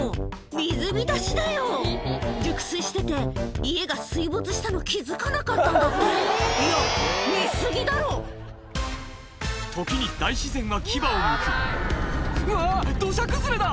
水浸しだよ熟睡してて家が水没したの気付かなかったんだっていや寝過ぎだろ時に大自然が牙をむくうわ土砂崩れだ！